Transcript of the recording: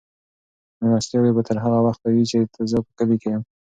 مېلمستیاوې به تر هغه وخته وي چې زه په کلي کې یم.